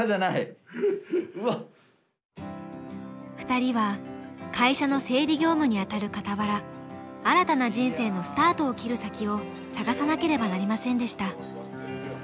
２人は会社の整理業務に当たるかたわら新たな人生のスタートを切る先を探さなければなりませんでした。